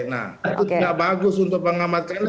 nah itu tidak bagus untuk mengamatkan